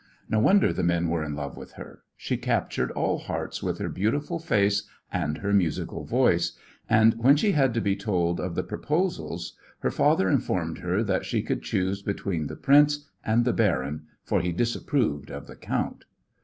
No wonder the men were in love with her she captured all hearts with her beautiful face and her musical voice and when she had to be told of the proposals her father informed her that she could choose between the prince and the baron, for he disapproved of the count.